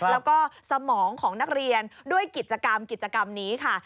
แล้วก็สมองของนักเรียนด้วยกิจกรรมกิจกรรมนี้ค่ะ